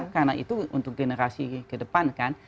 karena itu untuk generasi ke depan kan